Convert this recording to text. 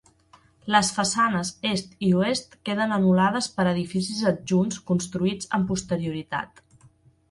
Les façanes est i oest queden anul·lades per edificis adjunts construïts amb posterioritat.